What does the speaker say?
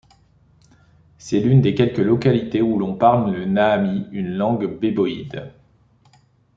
C'est l'une des quelques localités où l'on parle le naami, une langue béboïde.